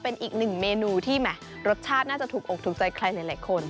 เป็นอีกหนึ่งเมนูที่แหมรสชาติน่าจะถูกอกถูกใจใครหลายคน